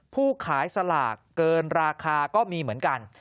ผู้ขายสลากเกินราคาก็มีเหมือนกัน